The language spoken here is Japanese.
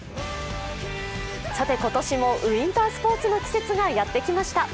今年もウインタースポーツの季節がやってきました。